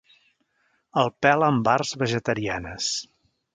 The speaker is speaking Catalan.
El pela amb arts vegetarianes.